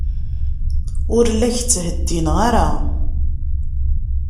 Ur la k-ttheddineɣ ara.